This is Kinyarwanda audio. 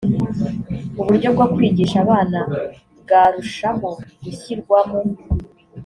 uburyo bwo kwigisha abana bwarushaho gushyirwamo